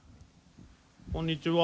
こんにちは。